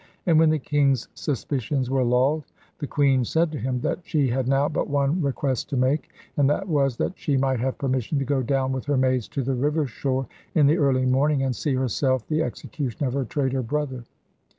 And when the king's suspicions were lulled, the queen said to him that she had now but one request to make, and that was that she might have permission to go down with her maids to the river shore in the early morning, and see herself the execution of her traitor brother.